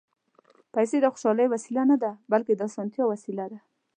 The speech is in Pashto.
پېسې د خوشالۍ وسیله نه ده، بلکې د اسانتیا وسیله ده.